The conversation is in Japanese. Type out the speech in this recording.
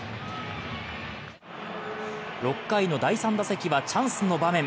６回の第３打席は、チャンスの場面。